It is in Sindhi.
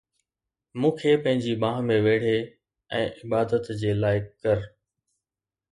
مون کي پنهنجي ٻانهن ۾ ويڙهي ۽ عبادت جي لائق ڪر